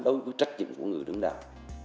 với trách nhiệm của người đứng đầu